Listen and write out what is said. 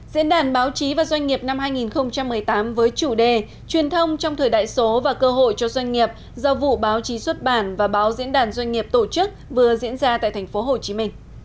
diễn đàn báo chí và doanh nghiệp năm hai nghìn một mươi tám với chủ đề truyền thông trong thời đại số và cơ hội cho doanh nghiệp do vụ báo chí xuất bản và báo diễn đàn doanh nghiệp tổ chức vừa diễn ra tại tp hcm